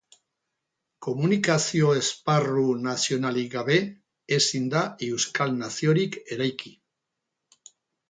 Komunikazio esparru nazionalik gabe, ezin da euskal naziorik eraiki.